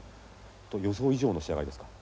予想以上の仕上がりですか？